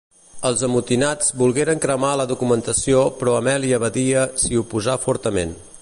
Els amotinats volgueren cremar la documentació però Amèlia Badia s’hi oposà fortament.